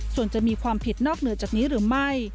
ส่วนจะมีความผิดนอกเหนือจากนี้หรือไม่